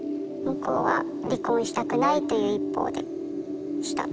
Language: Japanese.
向こうは離婚したくないという一方でした。